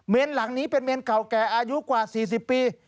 หลังนี้เป็นเมนเก่าแก่อายุกว่า๔๐ปี